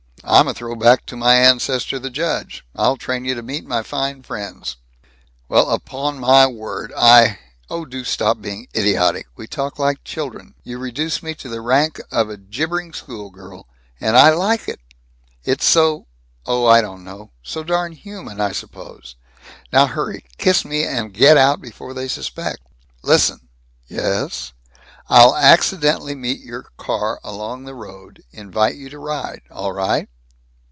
I'm a throw back to my ancestor the judge. I'll train you to meet my fine friends." "Well upon my word I Oh, do stop being idiotic. We talk like children. You reduce me to the rank of a gibbering schoolgirl. And I like it! It's so oh, I don't know so darn human, I suppose. Now hurry kiss me, and get out, before they suspect." "Listen." "Yes?" "I'll accidentally meet your car along the road. Invite you to ride. All right?"